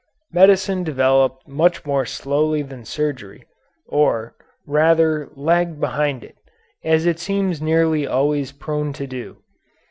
Medicine developed much more slowly than surgery, or, rather, lagged behind it, as it seems nearly always prone to do.